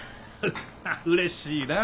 うれしいなぁ。